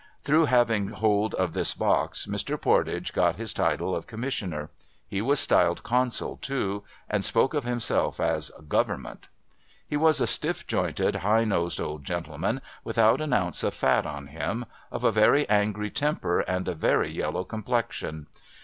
Through having hold of this box, Mr. Pordage got his title of Commissioner. He was styled Consul too, and spoke of himself as ' Government.' He was a stift jointed, high nosed old gentleman, without an ounce of fat on him, of a very angry temper and a very yellow complexion.